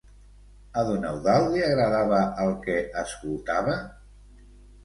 A don Eudald li agradava el que escoltava?